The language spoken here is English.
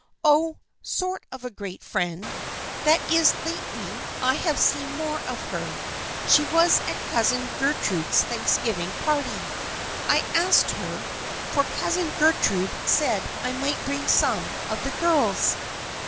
" Oh, sort of a great friend. That is, lately I have seen more of her. She was at Cousin Ger trude's Thanksgiving party. I asked her, for Cousin Gertrude said I might bring some of the S irls."